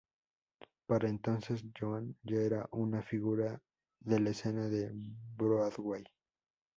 Para entonces Joan ya era una figura de la escena de Broadway.